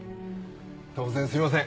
突然すみません